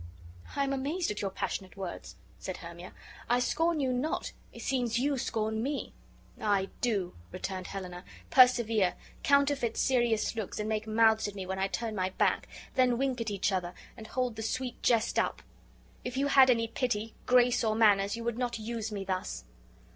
"I am amazed at your passionate words," said Hermia: "I scorn you not; it seems you scorn me." "Aye, do," returned Helena, "persevere, counterfeit serious looks, and make mouths at me when I turn my back; then wink at each other, and hold the sweet jest up. If you had any pity, grace, or manners, you would not use me thus."